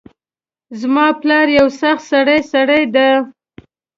زما پلار یو سخت سرۍ سړۍ ده